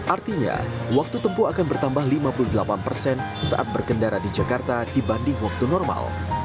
artinya waktu tempuh akan bertambah lima puluh delapan persen saat berkendara di jakarta dibanding waktu normal